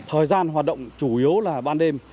thời gian hoạt động chủ yếu là ban đêm